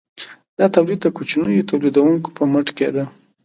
دا تولید د کوچنیو تولیدونکو په مټ کیده.